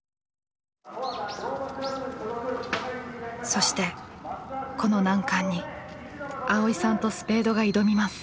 そしてこの難関に蒼依さんとスペードが挑みます。